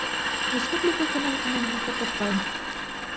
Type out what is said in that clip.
Республика көнө менән һеҙҙе ҡотлайым!